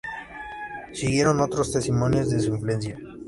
Siguieron otros testimonios de su influencia.